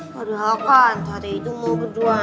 padahal kan tata itu mau berdua